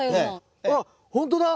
あっほんとだ！